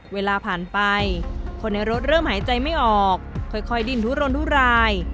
เวลาผ่านไปคนในรถเริ่มหายใจไม่ออกค่อยดิ้นทุรนทุราย